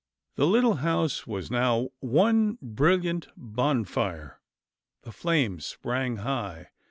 The little house was now one brilliant bonfire. The flames sprang high.